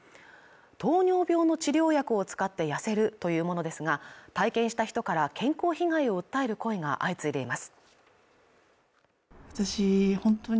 糖尿病の治療薬を使って痩せるというものですが体験した人から健康被害を訴える声が相次いでいます